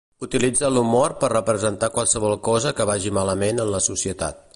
Utilitza l'humor per representar qualsevol cosa que vagi malament en la societat.